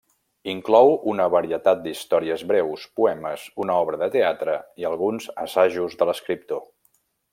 Inclou una varietat d'històries breus, poemes, una obra de teatre i alguns assajos de l'escriptor.